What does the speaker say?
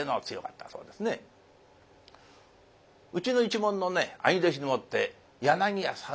うちの一門のね兄弟子でもって柳家さん